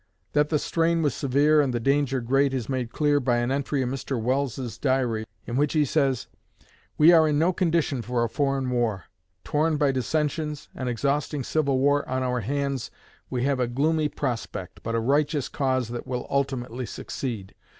That the strain was severe and the danger great is made clear by an entry in Mr. Welles's Diary, in which he says: "We are in no condition for a foreign war. Torn by dissensions, an exhausting civil war on our hands, we have a gloomy prospect, but a righteous cause that will ultimately succeed.